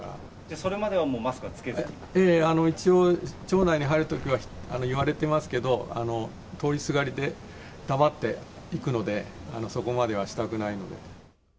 それまではいえいえ、一応庁内に入るときは言われてますけど、通りすがりで黙って行くので、そこまではしたくないので。